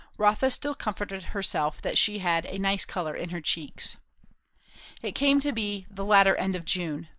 Rotha still comforted herself that she had "a nice colour in her cheeks." It came to be the latter end of June.